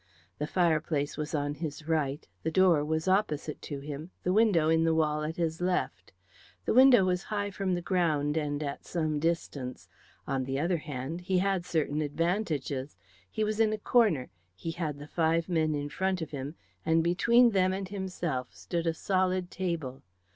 The fireplace was on his right; the door was opposite to him; the window in the wall at his left. The window was high from the ground and at some distance. On the other hand, he had certain advantages. He was in a corner, he had the five men in front of him, and between them and himself stood a solid table.